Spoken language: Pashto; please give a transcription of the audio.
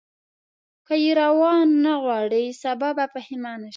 که یې راونه غواړې سبا به پښېمانه شې.